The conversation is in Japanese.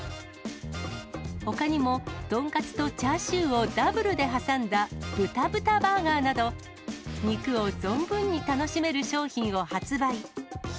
ほかにも、豚カツとチャーシューをダブルで挟んだ、豚豚バーガーなど、肉を存分に楽しめる商品を発売。